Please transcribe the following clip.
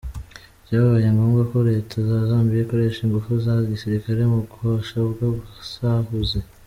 Byabaye ngombwa ko leta ya Zambia ikoresha ingufu za gisirikare mu gohosha ubwo busahuzi.